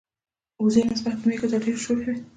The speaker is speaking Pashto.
وزې نسبت مېږو ته ډیری شوخی وی.